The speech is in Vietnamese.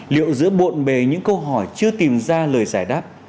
liệu giữa bộn bề những câu hỏi chưa tìm ra lời giải đáp